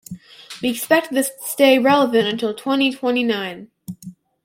We expect this stay relevant until twenty-twenty-nine.